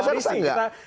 saya rasa tidak